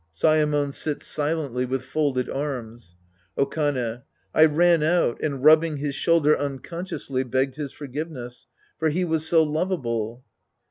(Saemon dU silently •voith folded arms.) Okane. I ran out and, rubbing his shoulder un consciously, begged his forgiveness. For he was so lovable.